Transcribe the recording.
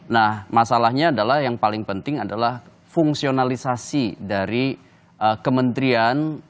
nah masalahnya adalah yang paling penting adalah fungsionalisasi dari kementerian